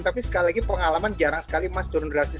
tapi sekali lagi pengalaman jarang sekali emas turun drastis